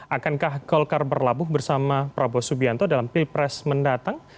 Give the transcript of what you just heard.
akankah golkar berlabuh bersama prabowo subianto dalam pilpres mendatang